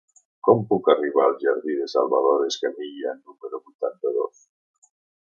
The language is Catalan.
Com puc arribar al jardí de Salvador Escamilla número vuitanta-dos?